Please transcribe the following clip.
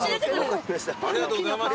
ありがとうございます。